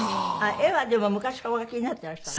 絵はでも昔からお描きになってらしたの？